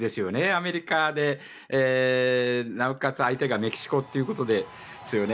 アメリカでなおかつ相手がメキシコということですよね。